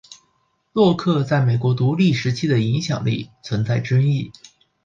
洛克在美国独立时期的影响力存在争议。